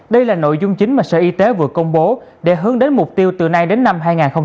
đây là nội dung chính mà sở y tế vừa công bố để hướng đến mục tiêu từ nay đến năm hai nghìn ba mươi